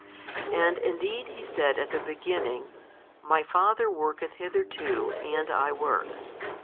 And indeed He said at the beginning, My Father worketh hitherto, and I work.